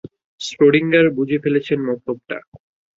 Schrödinger বুঝে ফেলেছেন মতলবটা।